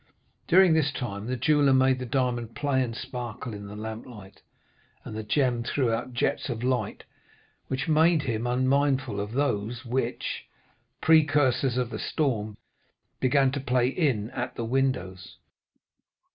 During this time, the jeweller made the diamond play and sparkle in the lamplight, and the gem threw out jets of light which made him unmindful of those which—precursors of the storm—began to play in at the windows.